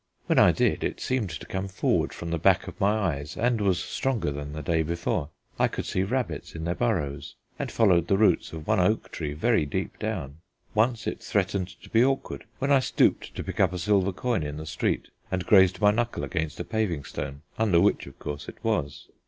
When I did, it seemed to come forward from the back of my eyes, and was stronger than the day before. I could see rabbits in their burrows and followed the roots of one oak tree very deep down. Once it threatened to be awkward, when I stooped to pick up a silver coin in the street, and grazed my knuckle against a paving stone, under which, of course, it was.